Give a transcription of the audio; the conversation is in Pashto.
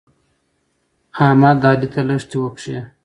احمد؛ علي ته لښتې وکښې.